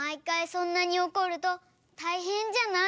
そんなにおこるとたいへんじゃない？